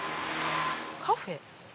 カフェ？